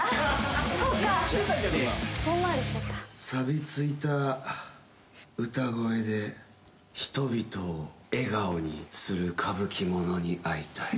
錆びついた歌声で人々を笑顔にする傾寄者に会いたい。